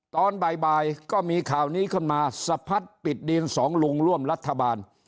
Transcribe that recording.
ตอนบ่ายก็มีข่าวนี้ขึ้นมาสะพัดปิดดินสองลุงร่วมรัฐบาล